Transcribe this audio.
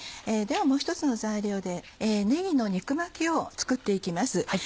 ではもう一つの材料でねぎの肉巻きを作って行きます。